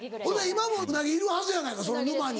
今もウナギいるはずやないかその沼に。